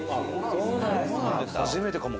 「そうなんですね」